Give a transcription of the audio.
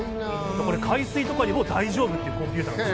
海水とかにも大丈夫というコンピューターなんです。